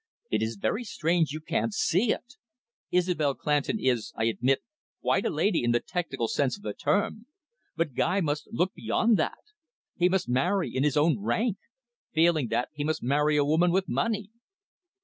"It is very strange you can't see it. Isobel Clandon is, I admit, quite a lady in the technical sense of the term. But Guy must look beyond that. He must marry in his own rank. Failing that, he must marry a woman with money."